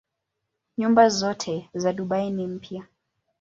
Nyumba zote za Dubai ni mpya.